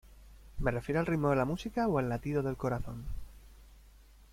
Me refiero al ritmo de la música o al latido del corazón?